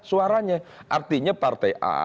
suaranya artinya partai a